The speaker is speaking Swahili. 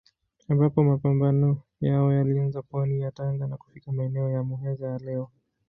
Ambapo mapambano yao yalianza pwani ya Tanga na kufika maeneo ya Muheza ya leo.